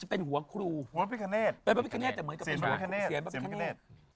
เป็นปรับพิกาเนส